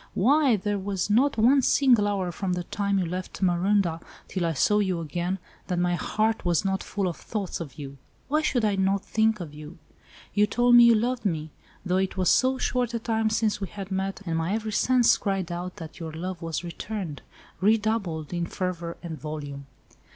"Why, there was not one single hour from the time you left Marondah till I saw you again, that my heart was not full of thoughts of you. Why should I not think of you? You told me you loved me—though it was so short a time since we had met, and my every sense cried out that your love was returned—redoubled in fervour and volume."